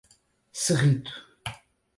Cerrito